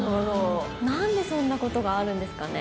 何でそんなことがあるんですかね。